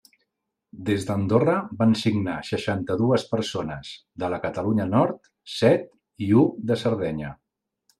Des d'Andorra van signar seixanta-dues persones, de la Catalunya Nord, set, i u de Sardenya.